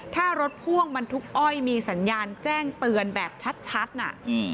ถ้ารถพ่วงบรรทุกอ้อยมีสัญญาณแจ้งเตือนแบบชัดน่ะอืม